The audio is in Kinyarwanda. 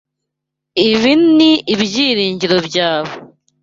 Ibi ni ibyiringiro byawe.